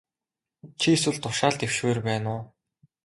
Чи эсвэл тушаал дэвшмээр байна уу?